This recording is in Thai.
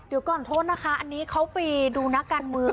เดี๋ยวก่อนโทษนะคะอันนี้เขาไปดูนักการเมือง